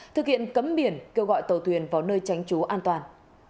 thực hiện cấm biển kêu gọi tàu thuyền vào nơi tránh trú an toàn